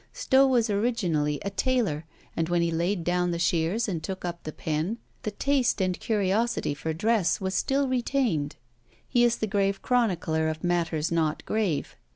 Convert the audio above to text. Stowe was originally a tailor, and when he laid down the shears, and took up the pen, the taste and curiosity for dress was still retained. He is the grave chronicler of matters not grave.